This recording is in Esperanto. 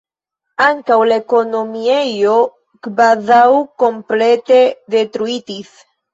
Ankaŭ la ekonomiejo kvazaŭ komplete detruitis.